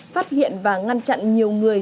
phát hiện và ngăn chặn nhiều người